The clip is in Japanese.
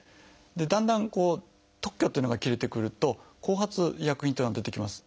だんだん特許っていうのが切れてくると「後発医薬品」っていうのが出てきます。